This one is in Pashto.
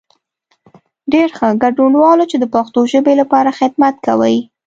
ډېر ښه، ګډنوالو چې د پښتو ژبې لپاره خدمت کوئ.